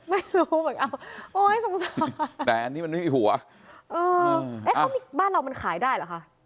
ไม่รู้เหมือนกันโอ้ยสงสารแต่อันนี้มันไม่มีหัวเออเอ๊ะบ้านเรามันขายได้เหรอคะ